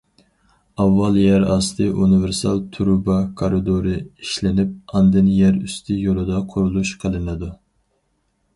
ئاۋۋال يەر ئاستى ئۇنىۋېرسال تۇرۇبا كارىدورى ئىشلىنىپ، ئاندىن يەر ئۈستى يولىدا قۇرۇلۇش قىلىنىدۇ.